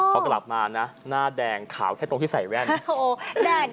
ก็กลับมาหน้าแดงขาวแรงไว้แท้ตรงที่ใส่แว่น